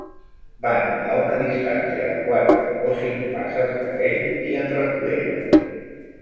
Van a una distància de quatre o cinc passes d’aquell i en renglera.